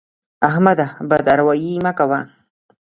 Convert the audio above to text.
احمده! بد اروايي مه کوه.